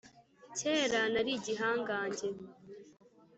kera nari igihangange.